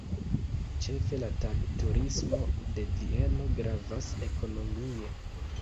Ĉefe la tag-turismo de Vieno gravas ekonomie.